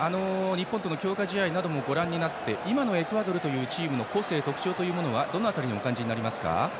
日本との強化試合などもご覧になって今のエクアドルというチームの個性、特徴はどの辺りにお感じになりますか？